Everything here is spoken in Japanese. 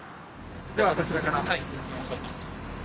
ではこちらから行きましょう。